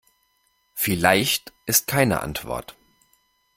Vielleicht ist keine Antwort.